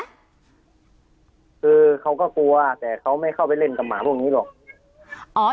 คือเขาก็กลัวแต่เขาไม่เข้าไปเล่นกับหมาพวกนี้หรอก